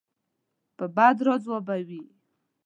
په بد راځوابوي.